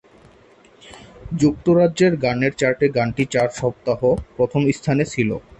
যুক্তরাজ্যের গানের চার্টে গানটি চার সপ্তাহ প্রথম স্থানে ছিল।